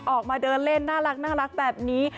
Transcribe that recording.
ออกมาเดินเล่นน่ารักแบบนี้